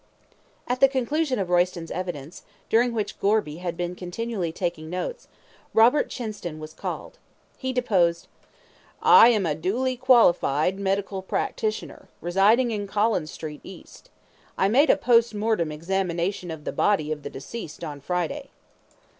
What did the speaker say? At the conclusion of Royston's evidence, during which Gorby had been continually taking notes, Robert Chinston was called. He deposed: I am a duly qualified medical practitioner, residing in Collins Street East. I made a POST MORTEM examination of the body of the deceased on Friday.